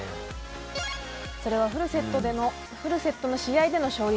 それはフルセットの試合での勝率。